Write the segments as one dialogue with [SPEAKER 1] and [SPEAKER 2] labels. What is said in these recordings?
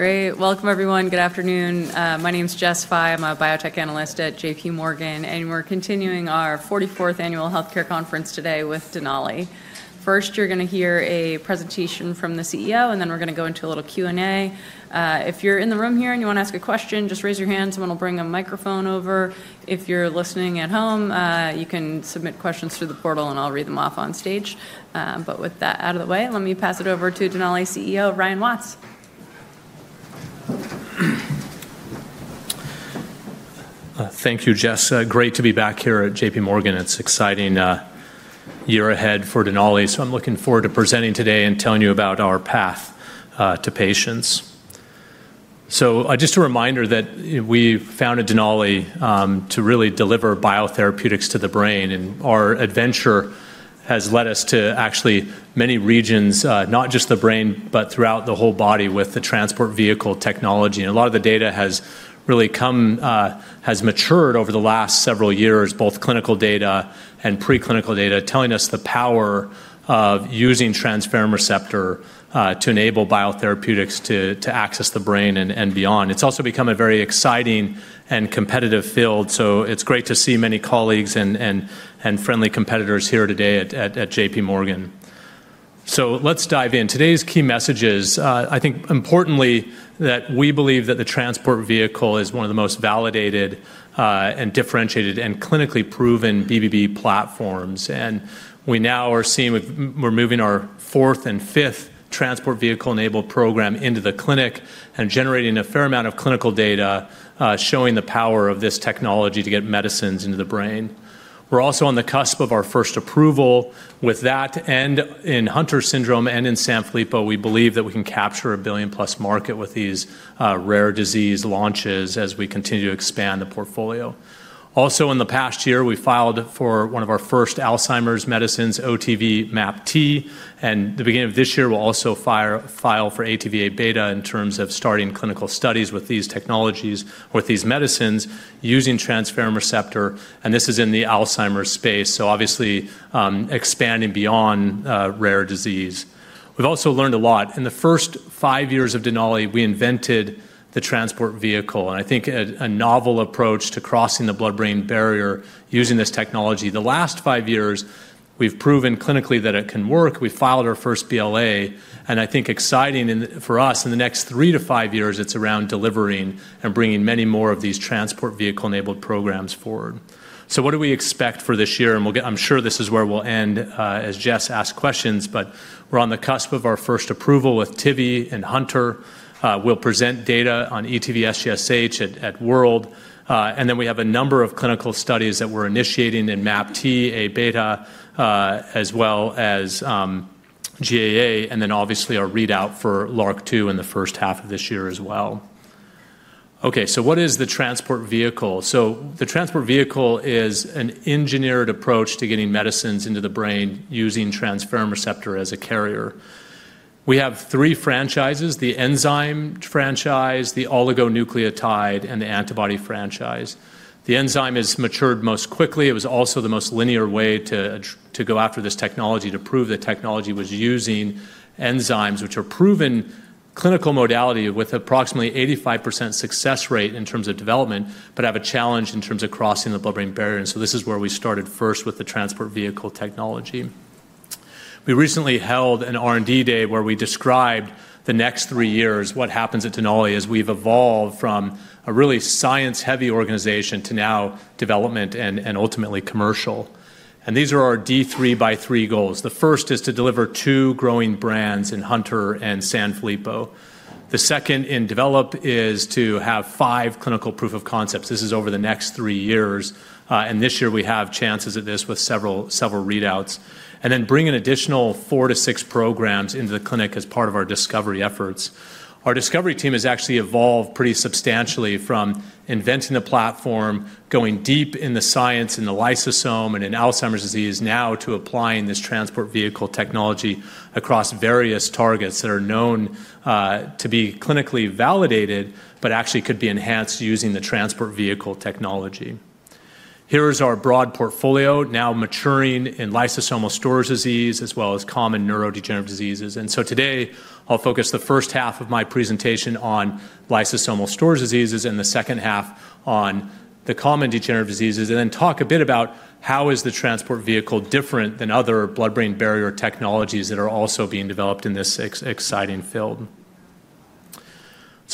[SPEAKER 1] Great. Welcome, everyone. Good afternoon. My name's Jess Fye. I'm a biotech analyst at JPMorgan, and we're continuing our 44th Annual Healthcare Conference today with Denali. First, you're going to hear a presentation from the CEO, and then we're going to go into a little Q&A. If you're in the room here and you want to ask a question, just raise your hand. Someone will bring a microphone over. If you're listening at home, you can submit questions through the portal, and I'll read them off on stage. But with that out of the way, let me pass it over to Denali CEO, Ryan Watts.
[SPEAKER 2] Thank you, Jess. Great to be back here at JPMorgan. It's an exciting year ahead for Denali, so I'm looking forward to presenting today and telling you about our path to patients. So just a reminder that we founded Denali to really deliver biotherapeutics to the brain, and our adventure has led us to actually many regions, not just the brain, but throughout the whole body with the TransportVehicle technology. And a lot of the data has really come, has matured over the last several years, both clinical data and preclinical data, telling us the power of using transferrin receptor to enable biotherapeutics to access the brain and beyond. It's also become a very exciting and competitive field, so it's great to see many colleagues and friendly competitors here today at JPMorgan. So let's dive in. Today's key message is, I think importantly, that we believe that the transport is one of the most validated, differentiated, and clinically proven BBB platforms, and we now are seeing we're moving our fourth and fifth TransportVehicle enabled program into the clinic and generating a fair amount of clinical data showing the power of this technology to get medicines into the brain. We're also on the cusp of our first approval. With that, and in Hunter syndrome and in Sanfilippo, we believe that we can capture a $1 billion+ market with these rare disease launches as we continue to expand the portfolio. Also, in the past year, we filed for one of our first Alzheimer's medicines, OTV:MAPT, and at the beginning of this year, we'll also file for ATV:Abeta in terms of starting clinical studies with these technologies, with these medicines using transferrin receptor, and this is in the Alzheimer's space, so obviously expanding beyond rare disease. We've also learned a lot. In the first five years of Denali, we invented the TransportVehicle, and I think a novel approach to crossing the blood-brain barrier using this technology. The last five years, we've proven clinically that it can work. We filed our first BLA, and I think exciting for us in the next three to five years, it's around delivering and bringing many more of these TransportVehicle enabled programs forward. So what do we expect for this year? I'm sure this is where we'll end as Jess asks questions, but we're on the cusp of our first approval with TV and Hunter. We'll present data on ETV SGSH at World, and then we have a number of clinical studies that we're initiating in MAPT, Abeta, as well as GAA, and then obviously our readout for LRRK2 in the first half of this year as well. Okay, so what is the transport vehicle? So the transport vehicle is an engineered approach to getting medicines into the brain using transferrin receptor as a carrier. We have three franchises: the enzyme franchise, the oligonucleotide, and the antibody franchise. The enzyme has matured most quickly. It was also the most linear way to go after this technology to prove the technology was using enzymes which are proven clinical modality with approximately 85% success rate in terms of development, but have a challenge in terms of crossing the blood-brain barrier. And so this is where we started first with the transport vehicle technology. We recently held an R&D day where we described the next three years, what happens at Denali as we've evolved from a really science-heavy organization to now development and ultimately commercial. And these are our D3x3 goals. The first is to deliver two growing brands in Hunter and Sanfilippo. The second in develop is to have five clinical proof of concepts. This is over the next three years, and this year we have chances at this with several readouts. Then bring an additional four to six programs into the clinic as part of our discovery efforts. Our discovery team has actually evolved pretty substantially from inventing the platform, going deep in the science in the lysosome and in Alzheimer's disease now to applying this TransportVehicle technology across various targets that are known to be clinically validated, but actually could be enhanced using the transport vehicle technology. Here is our broad portfolio now maturing in lysosomal storage disease as well as common neurodegenerative diseases. Today, I'll focus the first half of my presentation on lysosomal storage diseases and the second half on the common neurodegenerative diseases, and then talk a bit about how is the TransportVehicle different than other blood-brain barrier technologies that are also being developed in this exciting field.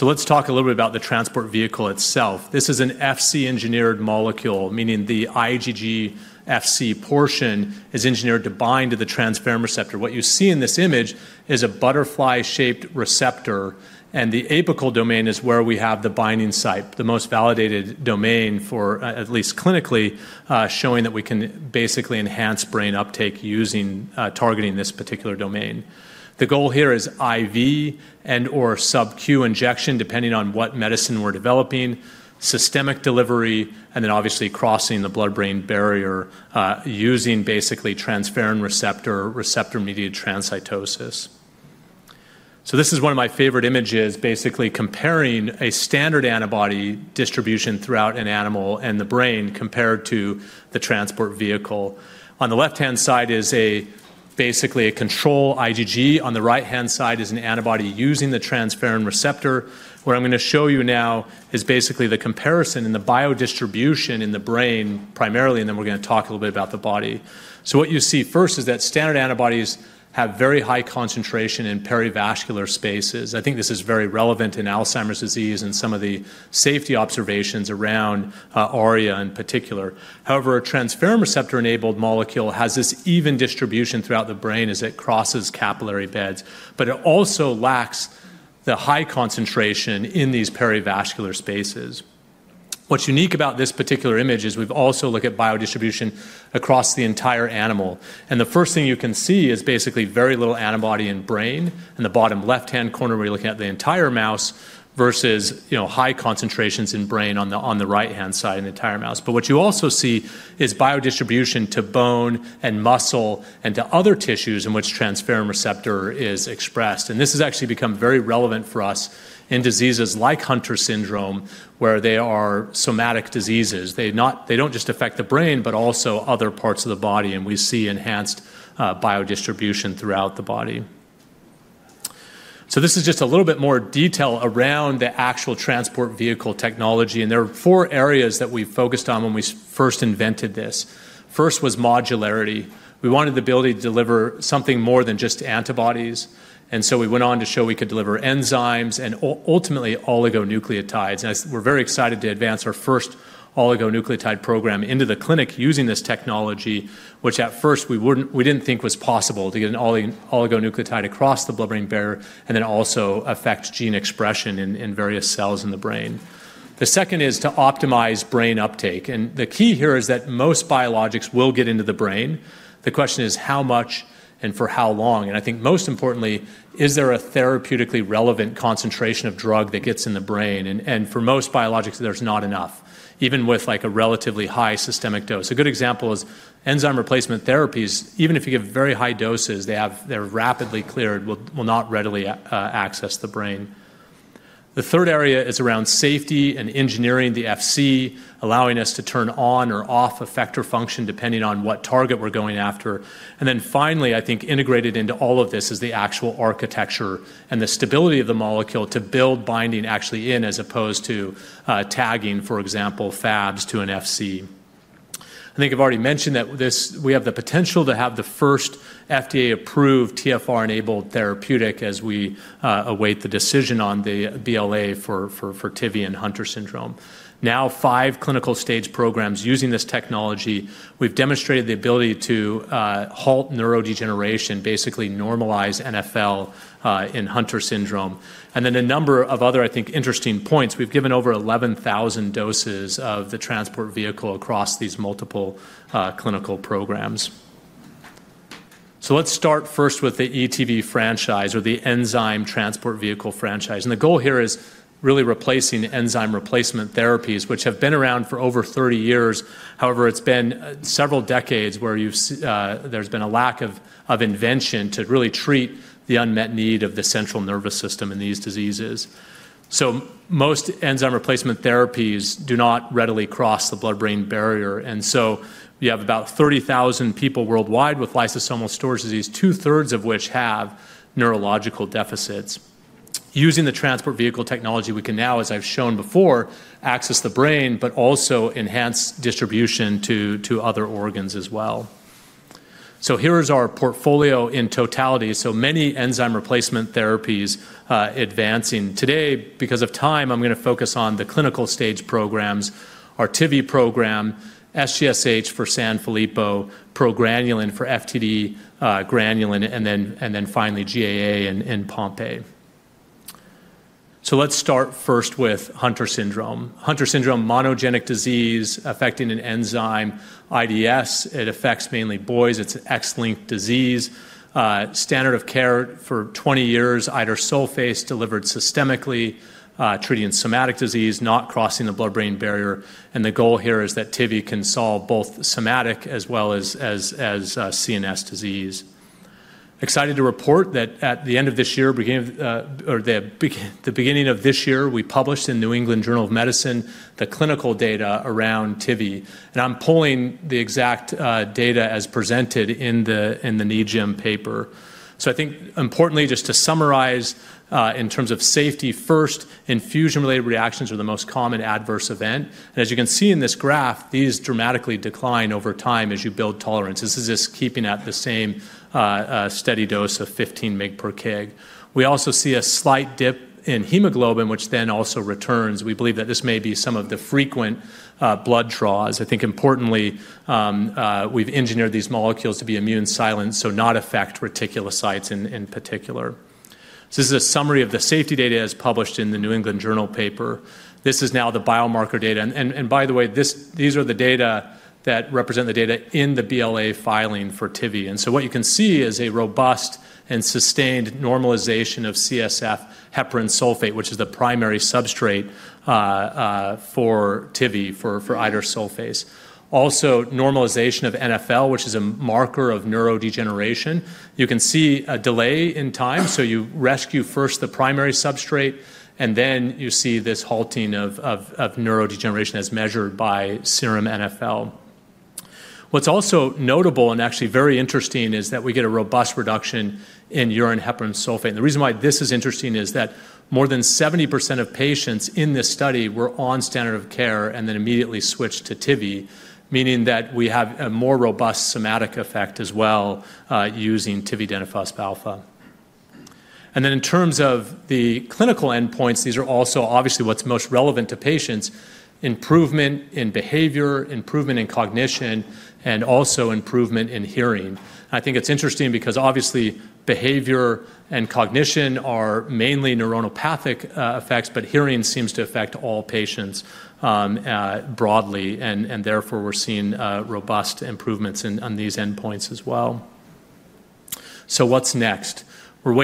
[SPEAKER 2] Let's talk a little bit about the TransportVehicle itself. This is an FC-engineered molecule, meaning the IgG FC portion is engineered to bind to the transferrin receptor. What you see in this image is a butterfly-shaped receptor, and the apical domain is where we have the binding site, the most validated domain for at least clinically showing that we can basically enhance brain uptake targeting this particular domain. The goal here is IV and/or subcu injection depending on what medicine we're developing, systemic delivery, and then obviously crossing the blood-brain barrier using basically transferrin receptor, receptor-mediated transcytosis. So this is one of my favorite images, basically comparing a standard antibody distribution throughout an animal and the brain compared to the TransportVehicle. On the left-hand side is basically a control IgG. On the right-hand side is an antibody using the transferrin receptor. What I'm going to show you now is basically the comparison in the biodistribution in the brain primarily, and then we're going to talk a little bit about the body. So what you see first is that standard antibodies have very high concentration in perivascular spaces. I think this is very relevant in Alzheimer's disease and some of the safety observations around ARIA in particular. However, a transferrin receptor-enabled molecule has this even distribution throughout the brain as it crosses capillary beds, but it also lacks the high concentration in these perivascular spaces. What's unique about this particular image is we've also looked at biodistribution across the entire animal, and the first thing you can see is basically very little antibody in brain in the bottom left-hand corner where you're looking at the entire mouse versus high concentrations in brain on the right-hand side in the entire mouse. But what you also see is biodistribution to bone and muscle and to other tissues in which transferrin receptor is expressed. And this has actually become very relevant for us in diseases like Hunter syndrome where they are somatic diseases. They don't just affect the brain, but also other parts of the body, and we see enhanced biodistribution throughout the body. So this is just a little bit more detail around the actual transport vehicle technology, and there are four areas that we focused on when we first invented this. First was modularity. We wanted the ability to deliver something more than just antibodies, and so we went on to show we could deliver enzymes and ultimately oligonucleotides. We're very excited to advance our first oligonucleotide program into the clinic using this technology, which at first we didn't think was possible to get an oligonucleotide across the blood-brain barrier and then also affect gene expression in various cells in the brain. The second is to optimize brain uptake, and the key here is that most biologics will get into the brain. The question is how much and for how long, and I think most importantly, is there a therapeutically relevant concentration of drug that gets in the brain? For most biologics, there's not enough, even with a relatively high systemic dose. A good example is enzyme replacement therapies. Even if you give very high doses, they're rapidly cleared, will not readily access the brain. The third area is around safety and engineering the FC, allowing us to turn on or off effector function depending on what target we're going after. And then finally, I think integrated into all of this is the actual architecture and the stability of the molecule to build binding actually in as opposed to tagging, for example, FABs to an FC. I think I've already mentioned that we have the potential to have the first FDA-approved TFR-enabled therapeutic as we await the decision on the BLA for tividenofusp and Hunter syndrome. Now, five clinical stage programs using this technology. We've demonstrated the ability to halt neurodegeneration, basically normalize NFL in Hunter syndrome. And then a number of other, I think, interesting points. We've given over 11,000 doses of the TransportVehicle across these multiple clinical programs. So let's start first with the ETV franchise or the enzyme TransportVehicle franchise. The goal here is really replacing enzyme replacement therapies, which have been around for over 30 years. However, it's been several decades where there's been a lack of invention to really treat the unmet need of the central nervous system in these diseases. Most enzyme replacement therapies do not readily cross the blood-brain barrier, and so you have about 30,000 people worldwide with lysosomal storage disease, 2/3 of which have neurological deficits. Using the TransportVehicle technology, we can now, as I've shown before, access the brain, but also enhance distribution to other organs as well. Here is our portfolio in totality. Many enzyme replacement therapies advancing. Today, because of time, I'm going to focus on the clinical stage programs: our TV program, SGSH for Sanfilippo, progranulin for FTD granulin, and then finally GAA in Pompe disease. Let's start first with Hunter syndrome. Hunter syndrome, monogenic disease affecting an enzyme, IDS. It affects mainly boys. It's an x-linked disease. Standard of care for 20 years, idursulfase delivered systemically, treating somatic disease, not crossing the blood-brain barrier, and the goal here is that tivi can solve both somatic as well as CNS disease. Excited to report that at the end of this year, the beginning of this year, we published in the New England Journal of Medicine the clinical data around tivi, and I'm pulling the exact data as presented in the NEJM paper, so I think importantly, just to summarize in terms of safety first, infusion-related reactions are the most common adverse event, and as you can see in this graph, these dramatically decline over time as you build tolerance. This is just keeping at the same steady dose of 15 mg/kg. We also see a slight dip in hemoglobin, which then also returns. We believe that this may be some of the frequent blood draws. I think importantly, we've engineered these molecules to be immune silent, so not affect reticulocytes in particular, so this is a summary of the safety data as published in the New England Journal paper. This is now the biomarker data, and by the way, these are the data that represent the data in the BLA filing for tivi, and so what you can see is a robust and sustained normalization of CSF heparan sulfate, which is the primary substrate for tivi, for idursulfase. Also, normalization of NfL, which is a marker of neurodegeneration. You can see a delay in time, so you rescue first the primary substrate, and then you see this halting of neurodegeneration as measured by serum NfL. What's also notable and actually very interesting is that we get a robust reduction in urine heparan sulfate, and the reason why this is interesting is that more than 70% of patients in this study were on standard of care and then immediately switched to tivi, meaning that we have a more robust somatic effect as well using tividenofusp alfa, and then in terms of the clinical endpoints, these are also obviously what's most relevant to patients: improvement in behavior, improvement in cognition, and also improvement in hearing. I think it's interesting because obviously behavior and cognition are mainly neuronopathic effects, but hearing seems to affect all patients broadly, and therefore we're seeing robust improvements on these endpoints as well, so what's next? We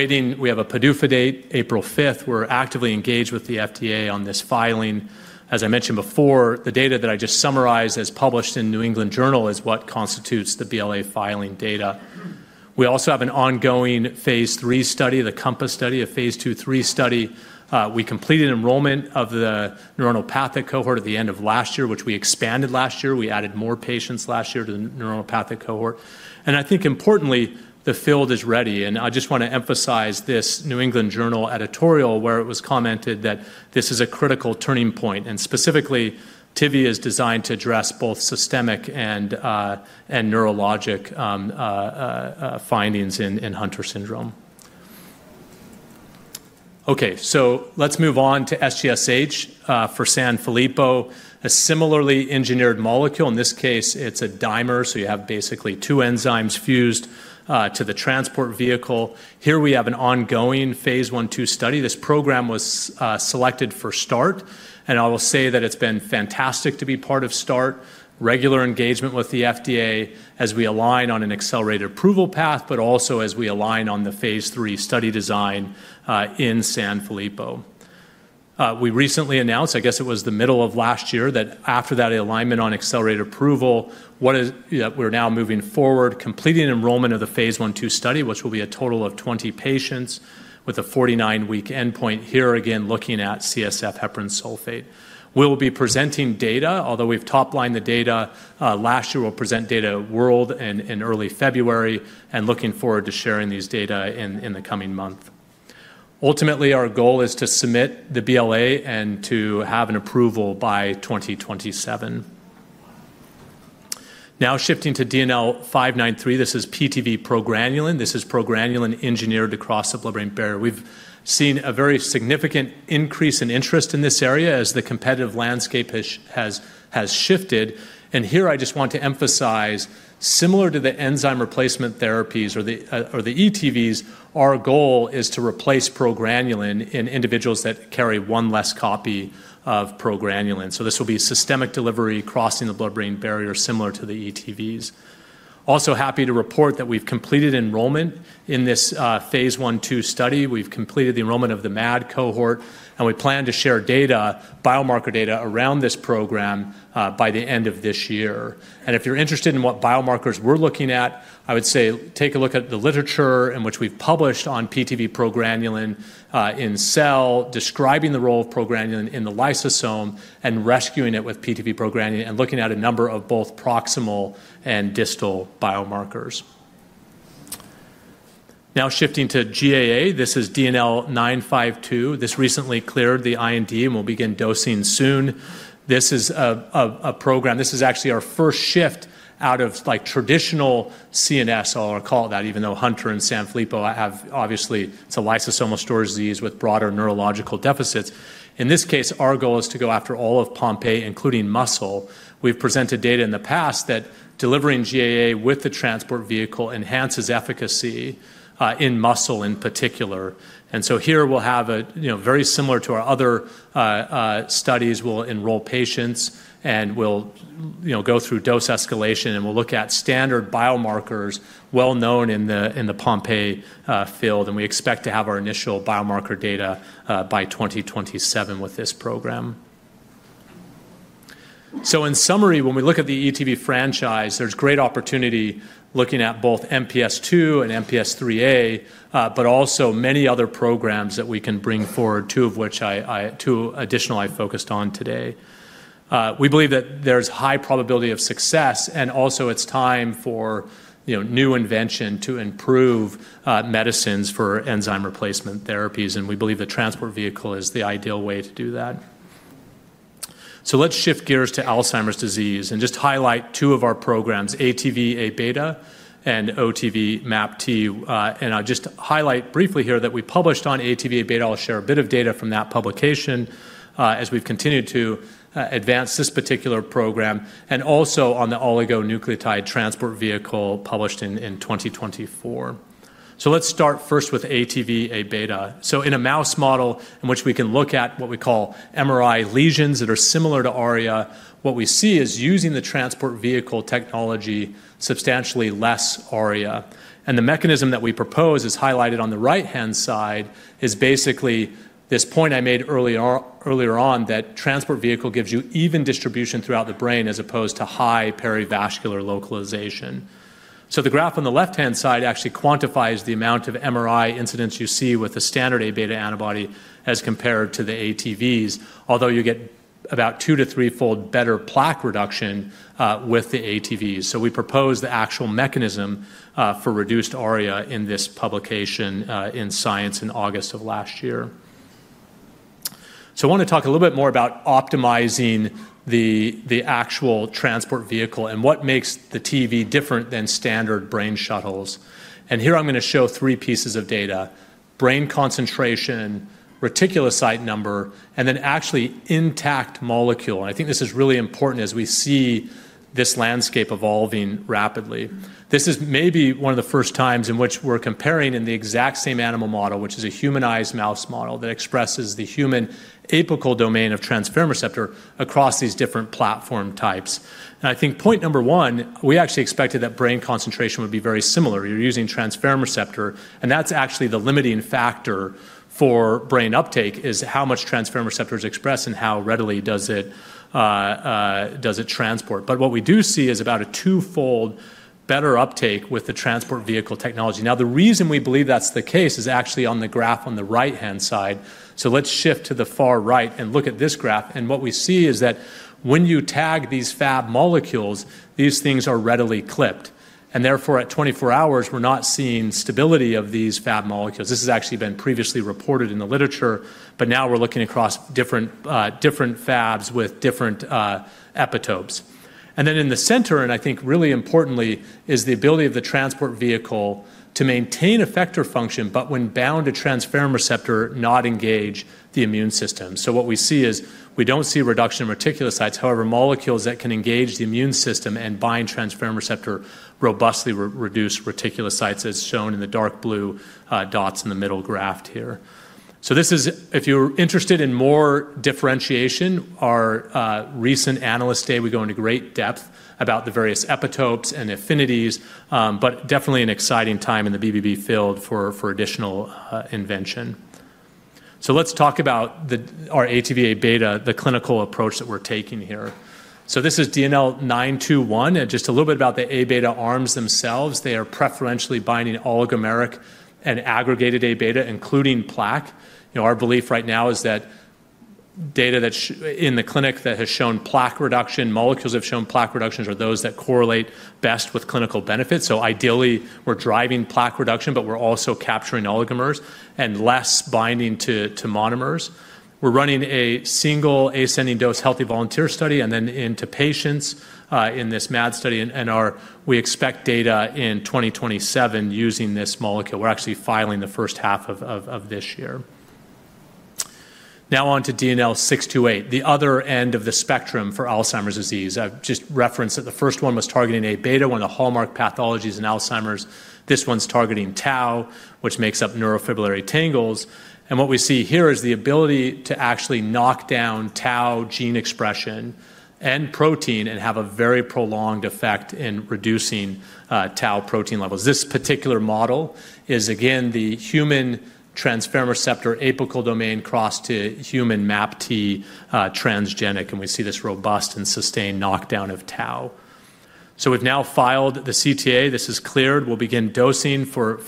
[SPEAKER 2] have a PDUFA date, April 5th. We're actively engaged with the FDA on this filing. As I mentioned before, the data that I just summarized as published in the New England Journal is what constitutes the BLA filing data. We also have an ongoing phase III study, the COMPASS study, a phase II-III study. We completed enrollment of the neuronopathic cohort at the end of last year, which we expanded last year. We added more patients last year to the neuronopathic cohort, and I think importantly, the field is ready, and I just want to emphasize this New England Journal editorial where it was commented that this is a critical turning point, and specifically tivi is designed to address both systemic and neurologic findings in Hunter syndrome, okay, so let's move on to SGSH for Sanfilippo, a similarly engineered molecule. In this case, it's a dimer, so you have basically two enzymes fused to the transport vehicle. Here we have an ongoing phase I-II study. This program was selected for START, and I will say that it's been fantastic to be part of START, regular engagement with the FDA as we align on an accelerated approval path, but also as we align on the phase three study design in Sanfilippo. We recently announced, I guess it was the middle of last year, that after that alignment on accelerated approval, we're now moving forward, completing enrollment of the phase I-II study, which will be a total of 20 patients with a 49-week endpoint here, again looking at CSF, heparan sulfate. We'll be presenting data, although we've toplined the data last year. We'll present data world in early February and looking forward to sharing these data in the coming month. Ultimately, our goal is to submit the BLA and to have an approval by 2027. Now shifting to DNL593, this is PTV-Progranulin. This is Progranulin engineered to cross the blood-brain barrier. We've seen a very significant increase in interest in this area as the competitive landscape has shifted, and here I just want to emphasize, similar to the enzyme replacement therapies or the ETVs, our goal is to replace Progranulin in individuals that carry one less copy of Progranulin, so this will be systemic delivery crossing the blood-brain barrier similar to the ETVs. Also happy to report that we've completed enrollment in this phase I-II study. We've completed the enrollment of the MAD cohort, and we plan to share biomarker data around this program by the end of this year. And if you're interested in what biomarkers we're looking at, I would say take a look at the literature in which we've published on PTV-Progranulin in cell, describing the role of Progranulin in the lysosome and rescuing it with PTV-Progranulin and looking at a number of both proximal and distal biomarkers. Now shifting to GAA, this is DNL952. This recently cleared the IND and will begin dosing soon. This is a program, this is actually our first shift out of traditional CNS, I'll call it that, even though Hunter and Sanfilippo have obviously, it's a lysosomal storage disease with broader neurological deficits. In this case, our goal is to go after all of Pompe, including muscle. We've presented data in the past that delivering GAA with the transport vehicle enhances efficacy in muscle in particular. Here we'll have a very similar setup to our other studies. We'll enroll patients and we'll go through dose escalation and we'll look at standard biomarkers well-known in the Pompe field, and we expect to have our initial biomarker data by 2027 with this program. In summary, when we look at the ETV franchise, there's great opportunity looking at both MPS II and MPS IIIA, but also many other programs that we can bring forward, two of which, two additional I focused on today. We believe that there's high probability of success and also it's time for new innovation to improve medicines for enzyme replacement therapies, and we believe the TransportVehicle is the ideal way to do that. Let's shift gears to Alzheimer's disease and just highlight two of our programs, ATV:Abeta and OTV:MAPT. I'll just highlight briefly here that we published on ATV:Abeta. I'll share a bit of data from that publication as we've continued to advance this particular program, and also on the oligonucleotide TransportVehicle published in 2024. Let's start first with ATV:Abeta. In a mouse model in which we can look at what we call MRI lesions that are similar to ARIA, what we see is using the transport TransportVehicle substantially less ARIA. The mechanism that we propose is highlighted on the right-hand side is basically this point I made earlier on that TransportVehicle gives you even distribution throughout the brain as opposed to high perivascular localization. The graph on the left-hand side actually quantifies the amount of MRI incidents you see with the standard Abeta antibody as compared to the ATVs, although you get about two- to three-fold better plaque reduction with the ATVs. We propose the actual mechanism for reduced ARIA in this publication in Science in August of last year. I want to talk a little bit more about optimizing the actual TransportVehicle and what makes the TV different than standard brain shuttles. Here I'm going to show three pieces of data: brain concentration, reticulocyte number, and then actually intact molecule. I think this is really important as we see this landscape evolving rapidly. This is maybe one of the first times in which we're comparing in the exact same animal model, which is a humanized mouse model that expresses the human apical domain of transferrin receptor across these different platform types, and I think point number one, we actually expected that brain concentration would be very similar. You're using transferrin receptor, and that's actually the limiting factor for brain uptake is how much transferrin receptor is expressed and how readily does it transport, but what we do see is about a twofold better uptake with the TransportVehicle technology. Now, the reason we believe that's the case is actually on the graph on the right-hand side, so let's shift to the far right and look at this graph, and what we see is that when you tag these FAB molecules, these things are readily clipped. And therefore, at 24 hours, we're not seeing stability of these FAB molecules. This has actually been previously reported in the literature, but now we're looking across different FABs with different epitopes. And then in the center, and I think really importantly, is the ability of the TransportVehicle to maintain effector function, but when bound to transferrin receptor, not engage the immune system. So what we see is we don't see reduction of reticulocytes. However, molecules that can engage the immune system and bind transferrin receptor robustly reduce reticulocytes as shown in the dark blue dots in the middle graph here. So this is, if you're interested in more differentiation, our recent analyst day. We go into great depth about the various epitopes and affinities, but definitely an exciting time in the BBB field for additional invention. So let's talk about our ATV:Abeta, the clinical approach that we're taking here. So this is DNL921 and just a little bit about the Abeta arms themselves. They are preferentially binding oligomeric and aggregated Abeta, including plaque. Our belief right now is that data in the clinic that has shown plaque reduction, molecules that have shown plaque reductions are those that correlate best with clinical benefits. So ideally, we're driving plaque reduction, but we're also capturing oligomers and less binding to monomers. We're running a single ascending dose healthy volunteer study and then into patients in this MAD study, and we expect data in 2027 using this molecule. We're actually filing the first half of this year. Now on to DNL628, the other end of the spectrum for Alzheimer's disease. I've just referenced that the first one was targeting Abeta when the hallmark pathology is in Alzheimer's. This one's targeting tau, which makes up neurofibrillary tangles. What we see here is the ability to actually knock down tau gene expression and protein and have a very prolonged effect in reducing tau protein levels. This particular model is again the human transferrin receptor apical domain crossed to human MAPT transgenic, and we see this robust and sustained knockdown of tau. We've now filed the CTA, this is cleared, we'll begin dosing for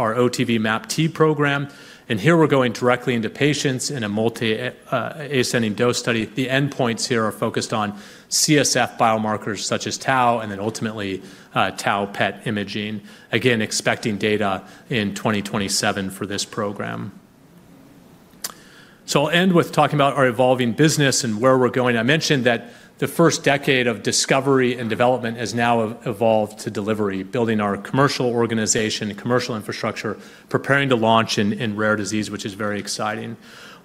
[SPEAKER 2] our OTV:MAPT program. Here we're going directly into patients in a multi-ascending dose study. The endpoints here are focused on CSF biomarkers such as tau and then ultimately tau PET imaging, again expecting data in 2027 for this program. I'll end with talking about our evolving business and where we're going. I mentioned that the first decade of discovery and development has now evolved to delivery, building our commercial organization, commercial infrastructure, preparing to launch in rare disease, which is very exciting.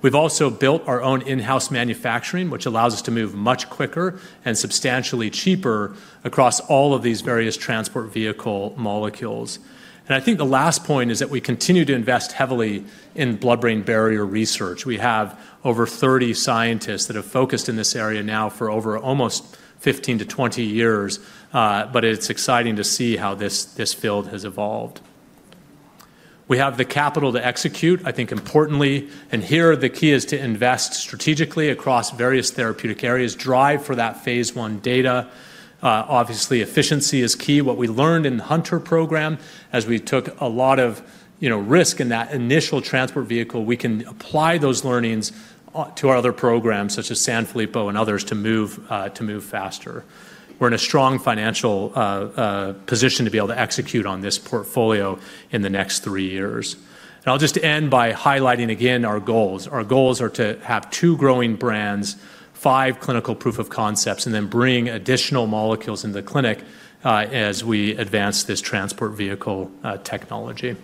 [SPEAKER 2] We've also built our own in-house manufacturing, which allows us to move much quicker and substantially cheaper across all of these various TransportVehicle molecules. And I think the last point is that we continue to invest heavily in blood-brain barrier research. We have over 30 scientists that have focused in this area now for over almost 15-20 years, but it's exciting to see how this field has evolved. We have the capital to execute, I think importantly, and here the key is to invest strategically across various therapeutic areas, drive for that phase I data. Obviously, efficiency is key. What we learned in the Hunter program, as we took a lot of risk in that initial TransportVehicle, we can apply those learnings to our other programs such as Sanfilippo and others to move faster. We're in a strong financial position to be able to execute on this portfolio in the next three years. And I'll just end by highlighting again our goals. Our goals are to have two growing brands, five clinical proof of concepts, and then bring additional molecules into the clinic as we advance this TransportVehicle technology.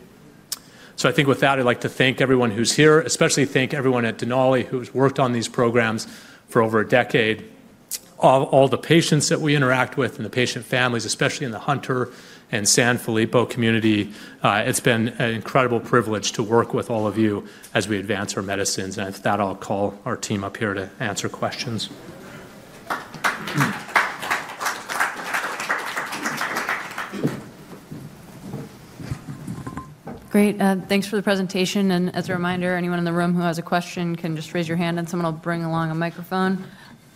[SPEAKER 2] So I think with that, I'd like to thank everyone who's here, especially thank everyone at Denali who has worked on these programs for over a decade. All the patients that we interact with and the patient families, especially in the Hunter and Sanfilippo community. It's been an incredible privilege to work with all of you as we advance our medicines, and with that, I'll call our team up here to answer questions.
[SPEAKER 1] Great. Thanks for the presentation. And as a reminder, anyone in the room who has a question can just raise your hand and someone will bring along a microphone.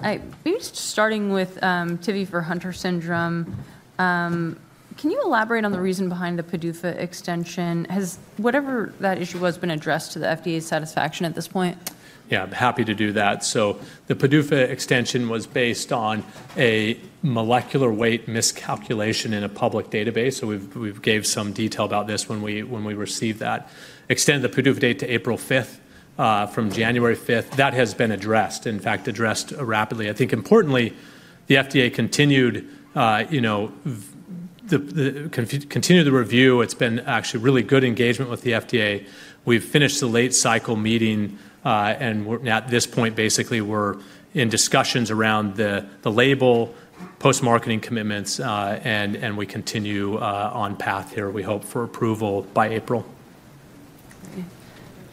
[SPEAKER 1] Maybe just starting with tivi for Hunter syndrome, can you elaborate on the reason behind the PDUFA extension? Has whatever that issue was been addressed to the FDA's satisfaction at this point?
[SPEAKER 2] Yeah, I'm happy to do that. So the PDUFA extension was based on a molecular weight miscalculation in a public database. So we've given some detail about this when we received that. Extend the PDUFA date to April 5th from January 5th. That has been addressed, in fact, addressed rapidly. I think importantly, the FDA continued the review. It's been actually really good engagement with the FDA. We've finished the late cycle meeting and at this point, basically, we're in discussions around the label, post-marketing commitments, and we continue on path here. We hope for approval by April.
[SPEAKER 1] Okay.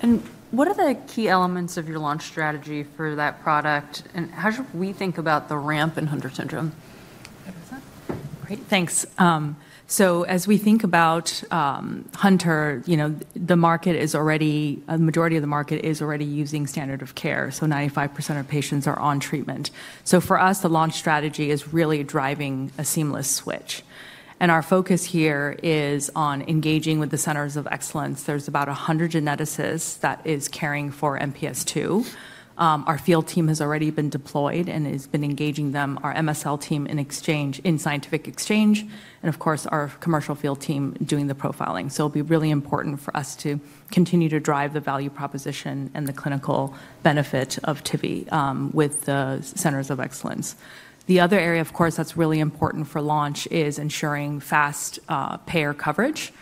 [SPEAKER 1] And what are the key elements of your launch strategy for that product? And how should we think about the ramp in Hunter syndrome? Great. Thanks. So as we think about Hunter, the market is already, the majority of the market is already using standard of care. So 95% of patients are on treatment. So for us, the launch strategy is really driving a seamless switch. And our focus here is on engaging with the centers of excellence. There's about 100 geneticists that are caring for MPS II. Our field team has already been deployed and has been engaging them, our MSL team in scientific exchange, and of course, our commercial field team doing the profiling. So it'll be really important for us to continue to drive the value proposition and the clinical benefit of tivi with the centers of excellence. The other area, of course, that's really important for launch is ensuring fast payer coverage.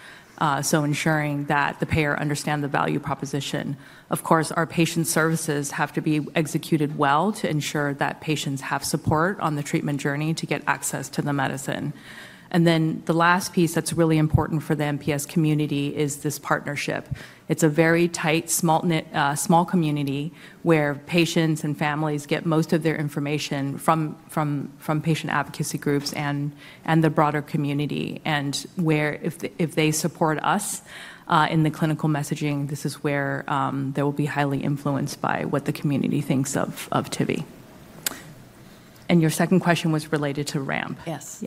[SPEAKER 1] So ensuring that the payer understands the value proposition. Of course, our patient services have to be executed well to ensure that patients have support on the treatment journey to get access to the medicine. And then the last piece that's really important for the MPS community is this partnership. It's a very tight, small community where patients and families get most of their information from patient advocacy groups and the broader community. And where if they support us in the clinical messaging, this is where they will be highly influenced by what the community thinks of tivi. And your second question was related to ramp. Yes.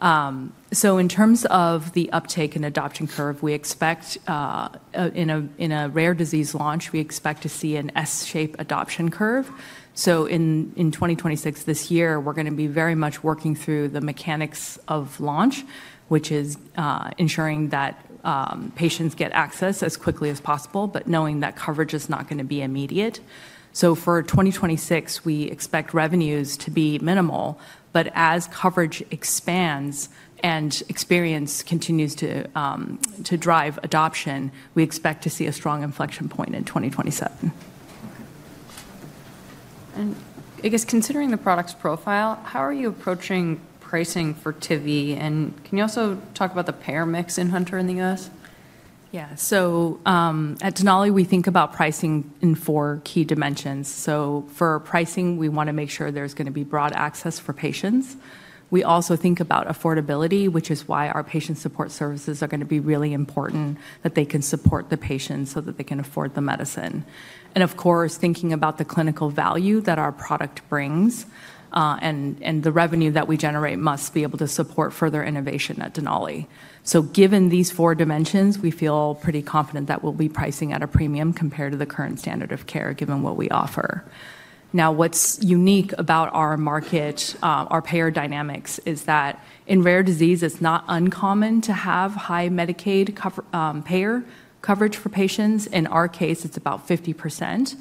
[SPEAKER 1] Yeah. So in terms of the uptake and adoption curve, we expect in a rare disease launch, we expect to see an S-shaped adoption curve. So in 2026, this year, we're going to be very much working through the mechanics of launch, which is ensuring that patients get access as quickly as possible, but knowing that coverage is not going to be immediate. So for 2026, we expect revenues to be minimal, but as coverage expands and experience continues to drive adoption, we expect to see a strong inflection point in 2027. And I guess considering the product's profile, how are you approaching pricing for tivi? And can you also talk about the payer mix in Hunter in the U.S.? Yeah. So at Denali, we think about pricing in four key dimensions. So for pricing, we want to make sure there's going to be broad access for patients. We also think about affordability, which is why our patient support services are going to be really important, that they can support the patients so that they can afford the medicine. And of course, thinking about the clinical value that our product brings and the revenue that we generate must be able to support further innovation at Denali. So given these four dimensions, we feel pretty confident that we'll be pricing at a premium compared to the current standard of care given what we offer. Now, what's unique about our market, our payer dynamics, is that in rare disease, it's not uncommon to have high Medicaid payer coverage for patients. In our case, it's about 50%,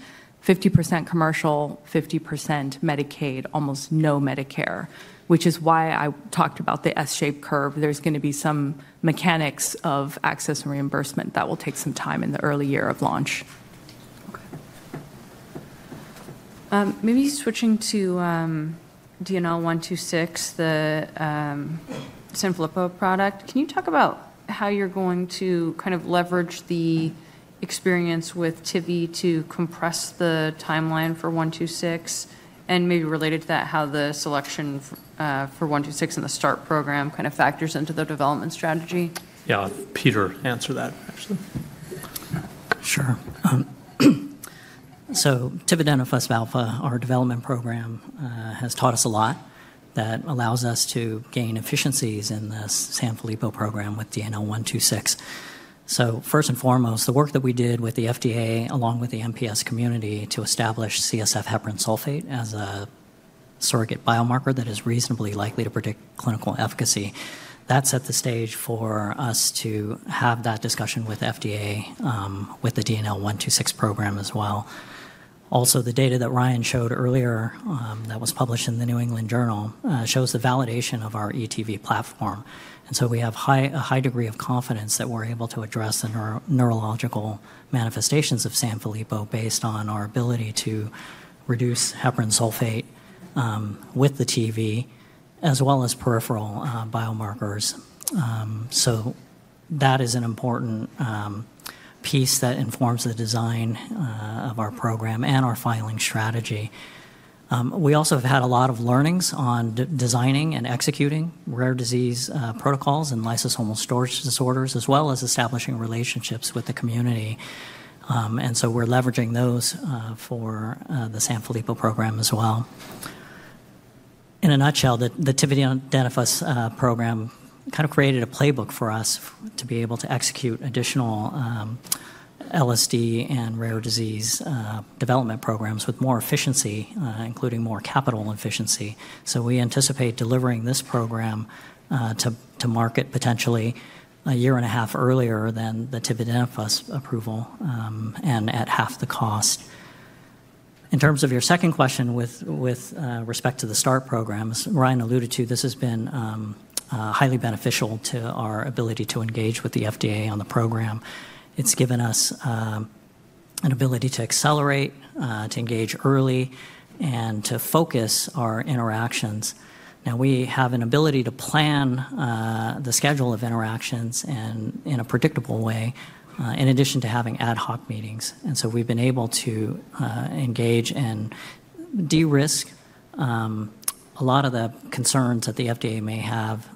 [SPEAKER 1] 50% commercial, 50% Medicaid, almost no Medicare, which is why I talked about the S-shaped curve. There's going to be some mechanics of access and reimbursement that will take some time in the early year of launch. Okay. Maybe switching to DNL126, the Sanfilippo product, can you talk about how you're going to kind of leverage the experience with tivi to compress the timeline for 126? And maybe related to that, how the selection for 126 and the START program kind of factors into the development strategy?
[SPEAKER 2] Yeah, Peter, answer that actually.
[SPEAKER 3] Sure. So tividenofusp alfa, our development program has taught us a lot that allows us to gain efficiencies in the Sanfilippo program with DNL126. So first and foremost, the work that we did with the FDA along with the MPS community to establish CSF heparan sulfate as a surrogate biomarker that is reasonably likely to predict clinical efficacy, that set the stage for us to have that discussion with FDA with the DNL126 program as well. Also, the data that Ryan showed earlier that was published in the New England Journal shows the validation of our ETV platform. And so we have a high degree of confidence that we're able to address the neurological manifestations of Sanfilippo based on our ability to reduce heparan sulfate with the tivi as well as peripheral biomarkers. So that is an important piece that informs the design of our program and our filing strategy. We also have had a lot of learnings on designing and executing rare disease protocols and lysosomal storage disorders, as well as establishing relationships with the community. And so we're leveraging those for the Sanfilippo program as well. In a nutshell, the tividenofusp alfa program kind of created a playbook for us to be able to execute additional LSD and rare disease development programs with more efficiency, including more capital efficiency. So we anticipate delivering this program to market potentially a year and a half earlier than the tividenofusp approval and at half the cost. In terms of your second question with respect to the START program, as Ryan alluded to, this has been highly beneficial to our ability to engage with the FDA on the program. It's given us an ability to accelerate, to engage early, and to focus our interactions. Now, we have an ability to plan the schedule of interactions in a predictable way in addition to having ad hoc meetings. And so we've been able to engage and de-risk a lot of the concerns that the FDA may have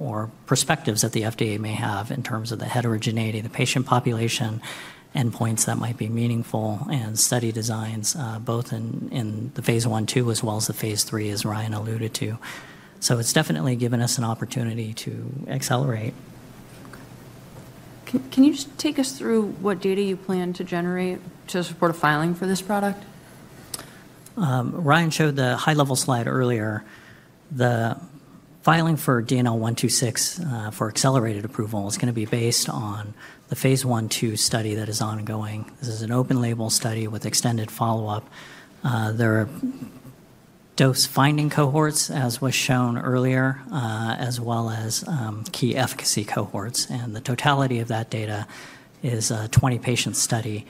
[SPEAKER 3] or perspectives that the FDA may have in terms of the heterogeneity, the patient population, endpoints that might be meaningful, and study designs both in the phase one and two as well as the phase three, as Ryan alluded to. So it's definitely given us an opportunity to accelerate.
[SPEAKER 1] Can you just take us through what data you plan to generate to support a filing for this product?
[SPEAKER 3] Ryan showed the high-level slide earlier. The filing for DNL126 for accelerated approval is going to be based on the phase I - II study that is ongoing. This is an open-label study with extended follow-up. There are dose-finding cohorts, as was shown earlier, as well as key efficacy cohorts. And the totality of that data is a 20-patient study.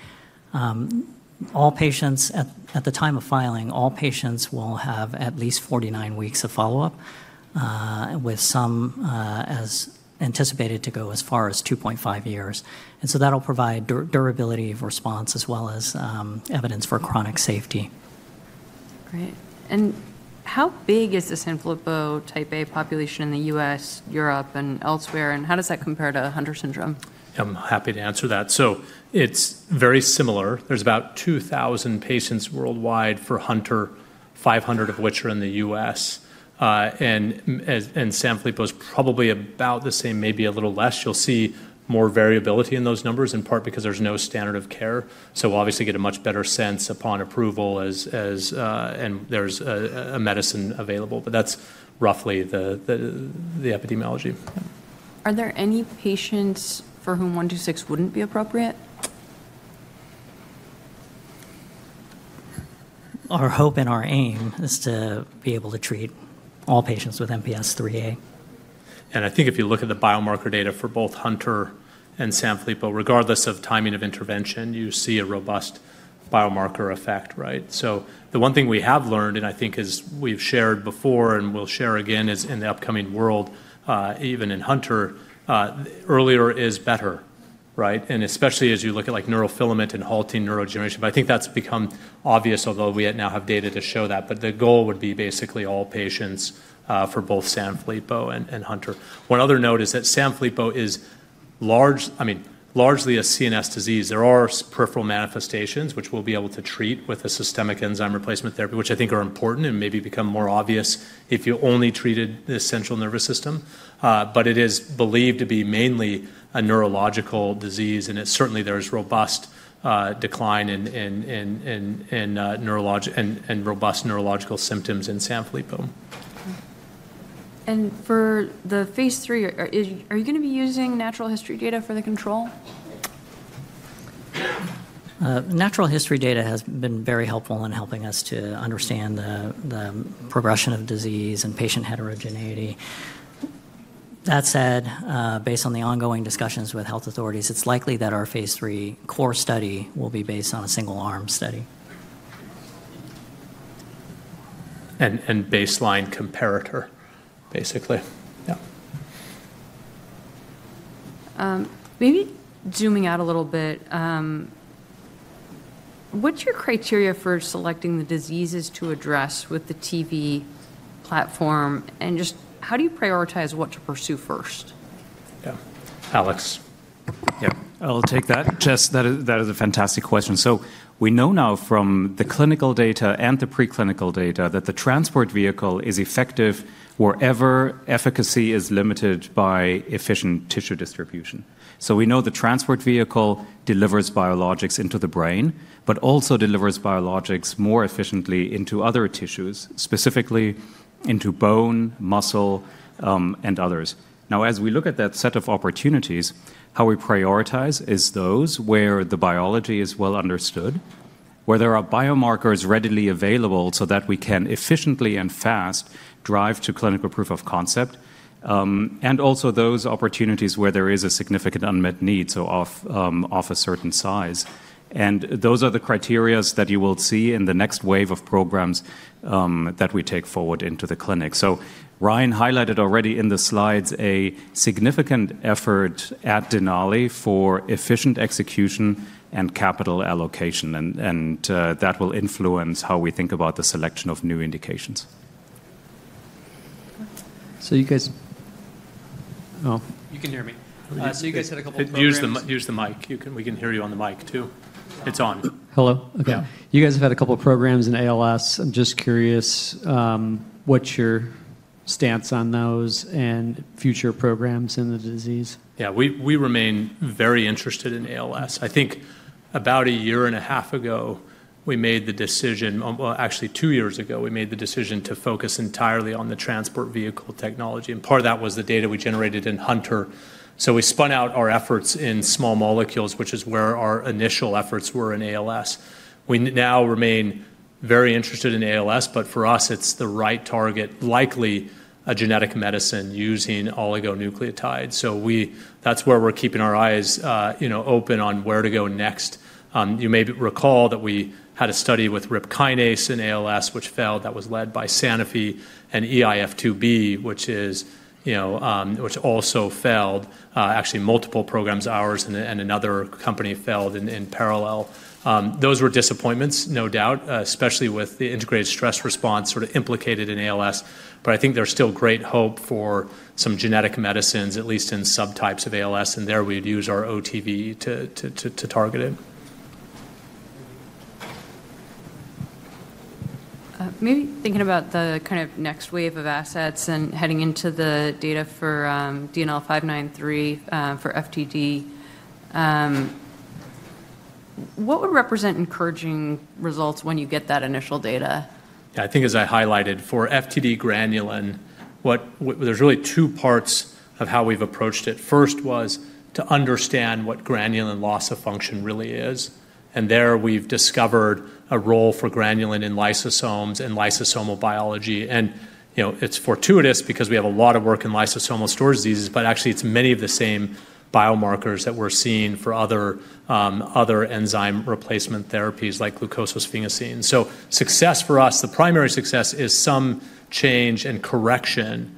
[SPEAKER 3] At the time of filing, all patients will have at least 49 weeks of follow-up, with some as anticipated to go as far as 2.5 years. And so that'll provide durability of response as well as evidence for chronic safety.
[SPEAKER 1] Great. And how big is the Sanfilippo type-A population in the U.S., Europe, and elsewhere? And how does that compare to Hunter syndrome?
[SPEAKER 2] I'm happy to answer that. So it's very similar. There's about 2,000 patients worldwide for Hunter, 500 of which are in the U.S. And Sanfilippo is probably about the same, maybe a little less. You'll see more variability in those numbers, in part because there's no standard of care. So we'll obviously get a much better sense upon approval and there's a medicine available. But that's roughly the epidemiology.
[SPEAKER 1] Are there any patients for whom 126 wouldn't be appropriate?
[SPEAKER 3] Our hope and our aim is to be able to treat all patients with MPS IIIA.
[SPEAKER 2] I think if you look at the biomarker data for both Hunter and Sanfilippo, regardless of timing of intervention, you see a robust biomarker effect, right? The one thing we have learned, and I think as we've shared before and we'll share again in the upcoming webinar, even in Hunter, earlier is better, right? Especially as you look at neurofilament and halting neurodegeneration. I think that's become obvious, although we now have data to show that. The goal would be basically all patients for both Sanfilippo and Hunter. One other note is that Sanfilippo is largely a CNS disease. There are peripheral manifestations which we'll be able to treat with a systemic enzyme replacement therapy, which I think are important and maybe become more obvious if you only treated the central nervous system. It is believed to be mainly a neurological disease. Certainly, there is robust decline in neurological symptoms in Sanfilippo.
[SPEAKER 1] For the phase III, are you going to be using natural history data for the control?
[SPEAKER 3] Natural history data has been very helpful in helping us to understand the progression of disease and patient heterogeneity. That said, based on the ongoing discussions with health authorities, it's likely that our phase III core study will be based on a single-arm study.
[SPEAKER 2] Baseline comparator, basically. Yeah.
[SPEAKER 1] Maybe zooming out a little bit, what's your criteria for selecting the diseases to address with the TV platform? And just how do you prioritize what to pursue first?
[SPEAKER 2] Yeah. Alex.
[SPEAKER 4] Yeah. I'll take that. That is a fantastic question. So we know now from the clinical data and the preclinical data that the TransportVehicle is effective wherever efficacy is limited by efficient tissue distribution. So we know the TransportVehicle delivers biologics into the brain, but also delivers biologics more efficiently into other tissues, specifically into bone, muscle, and others. Now, as we look at that set of opportunities, how we prioritize is those where the biology is well understood, where there are biomarkers readily available so that we can efficiently and fast drive to clinical proof of concept, and also those opportunities where there is a significant unmet need of a certain size. And those are the criteria that you will see in the next wave of programs that we take forward into the clinic. Ryan highlighted already in the slides a significant effort at Denali for efficient execution and capital allocation. That will influence how we think about the selection of new indications. So you guys. You can hear me. So you guys had a couple of programs. Here's the mic. We can hear you on the mic too. It's on. Hello. Okay. You guys have had a couple of programs in ALS. I'm just curious what's your stance on those and future programs in the disease?
[SPEAKER 2] Yeah. We remain very interested in ALS. I think about a year and a half ago, we made the decision, well, actually two years ago, we made the decision to focus entirely on the TransportVehicle technology. And part of that was the data we generated in Hunter. So we spun out our efforts in small molecules, which is where our initial efforts were in ALS. We now remain very interested in ALS, but for us, it's the right target, likely a genetic medicine using oligonucleotides. So that's where we're keeping our eyes open on where to go next. You may recall that we had a study with RIPK1 in ALS, which failed. That was led by Sanofi and EIF2B, which also failed. Actually, multiple programs, ours and another company failed in parallel. Those were disappointments, no doubt, especially with the integrated stress response sort of implicated in ALS. But I think there's still great hope for some genetic medicines, at least in subtypes of ALS. And there we'd use our OTV to target it.
[SPEAKER 1] Maybe thinking about the kind of next wave of assets and heading into the data for DNL593 for FTD, what would represent encouraging results when you get that initial data?
[SPEAKER 2] Yeah. I think as I highlighted for FTD granulin, there's really two parts of how we've approached it. First was to understand what granulin loss of function really is. And there we've discovered a role for granulin in lysosomes and lysosomal biology. And it's fortuitous because we have a lot of work in lysosomal storage diseases, but actually it's many of the same biomarkers that we're seeing for other enzyme replacement therapies like glucosidase. So success for us, the primary success is some change and correction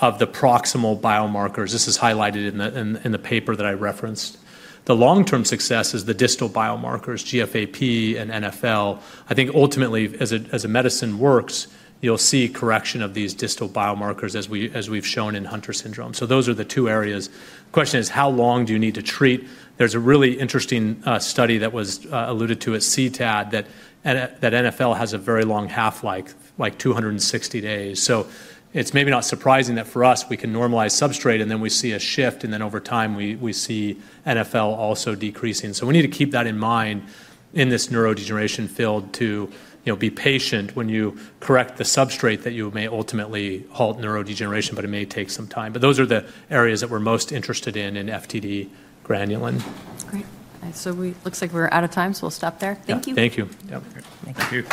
[SPEAKER 2] of the proximal biomarkers. This is highlighted in the paper that I referenced. The long-term success is the distal biomarkers, GFAP and NfL. I think ultimately, as a medicine works, you'll see correction of these distal biomarkers as we've shown in Hunter syndrome. So those are the two areas. The question is, how long do you need to treat? There's a really interesting study that was alluded to at CTAD that NfL has a very long half-life, like 260 days. So it's maybe not surprising that for us, we can normalize substrate, and then we see a shift, and then over time we see NFL also decreasing. So we need to keep that in mind in this neurodegeneration field to be patient when you correct the substrate that you may ultimately halt neurodegeneration, but it may take some time. But those are the areas that we're most interested in in FTD granulin.
[SPEAKER 1] Great. So it looks like we're out of time, so we'll stop there. Thank you.
[SPEAKER 2] Thank you. Yeah. Thank you.